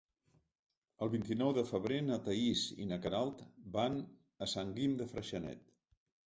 El vint-i-nou de febrer na Thaís i na Queralt van a Sant Guim de Freixenet.